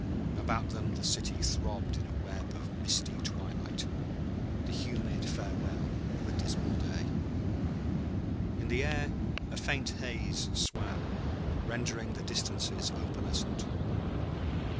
About them the city throbbed in a web of misty twilight, the humid farewell of a dismal day. In the air a faint haze swam, rendering the distances opalescent.